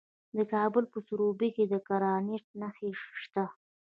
د کابل په سروبي کې د ګرانیټ نښې شته.